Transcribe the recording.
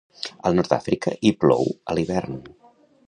Al Nord d'Àfrica hi plou, a l'hivern.